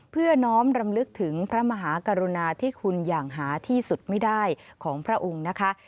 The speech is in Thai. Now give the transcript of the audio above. เพื่อน้อมรำลึกถึงพระมหากรุณาที่คุณอย่างหาที่สุดไม่ได้ของพระองค์นะคะ